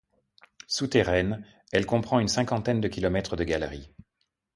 Souterraine, elle comprend une cinquantaine de kilomètres de galeries.